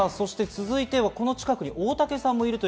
続いては、この近くに大竹さんもいます。